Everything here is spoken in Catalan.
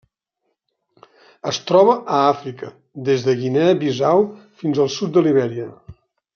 Es troba a Àfrica: des de Guinea Bissau fins al sud de Libèria.